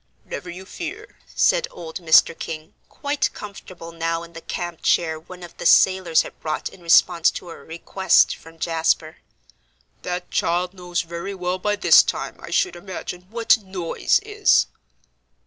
"Never you fear," said old Mr. King, quite comfortable now in the camp chair one of the sailors had brought in response to a request from Jasper; "that child knows very well by this time, I should imagine, what noise is."